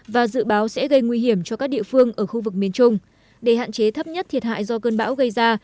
và dự báo sẽ gây nguy hiểm cho các địa phương ở khu vực miền trung để hạn chế thấp nhất thiệt hại do cơn bão gây ra